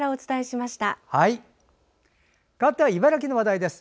かわっては茨城の話題です。